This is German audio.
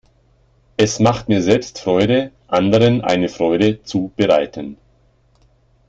Es macht mir selbst Freude, anderen eine Freude zu bereiten.